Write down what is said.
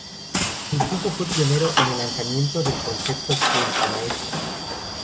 El banco fue pionero en el lanzamiento del concepto "Cuenta Maestra".